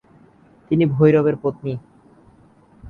তিনি ভৈরবের পত্নী।